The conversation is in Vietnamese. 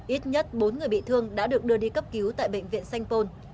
ít nhất bốn người bị thương đã được đưa đi cấp cứu tại bệnh viện sanh pôn